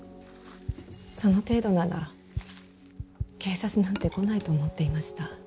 その程度なら警察なんて来ないと思っていました。